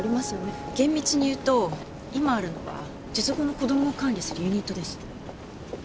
厳密に言うと今あるのは術後の子供を管理するユニットです。